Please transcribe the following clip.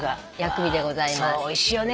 おいしいよね。